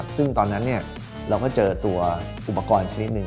ซึ่งตอนนั้นเราก็เจอตัวอุปกรณ์ชนิดหนึ่ง